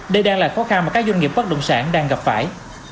đây đang là khó khăn mà các doanh nghiệp bất động sản đang gặp phải